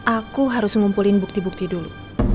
aku harus ngumpulin bukti bukti dulu